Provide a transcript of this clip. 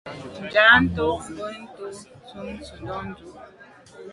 Njantùn bùnte ntshob Tshana ndù.